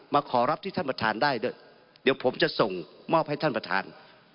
ขอรับที่ท่านประธานได้ด้วยเดี๋ยวผมจะส่งมอบให้ท่านประธาน